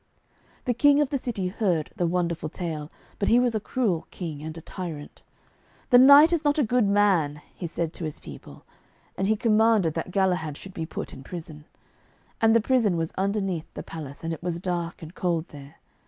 The King of the city heard the wonderful tale, but he was a cruel King and a tyrant. 'The knight is not a good man,' he said to his people, and he commanded that Galahad should be put in prison. And the prison was underneath the palace, and it was dark and cold there.